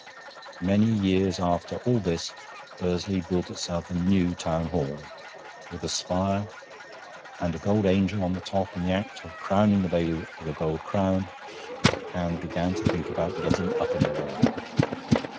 Many years after all this Bursley built itself a new Town Hall (with a spire, and a gold angel on the top in the act of crowning the bailiwick with a gold crown), and began to think about getting up in the world.